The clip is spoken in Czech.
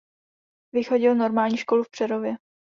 Vychodil normální školu v Přerově.